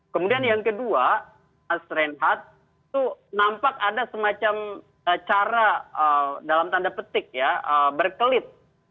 kemudian yang kedua mas reinhardt itu nampak ada semacam cara dalam tanda petik ya berkelit